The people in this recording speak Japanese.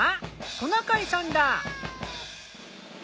トナカイさんだ！